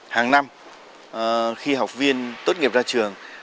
hàng năm khi học viên tốt nghiệp ra trường